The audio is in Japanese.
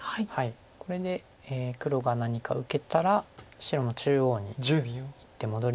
これで黒が何か受けたら白も中央に一手戻りまして。